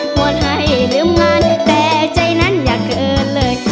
วนให้ลืมงานแต่ใจนั้นอย่าเกินเลย